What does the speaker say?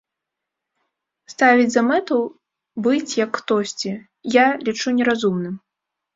Ставіць за мэту быць, як хтосьці, я лічу неразумным.